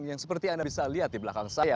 yang seperti anda bisa lihat di belakang saya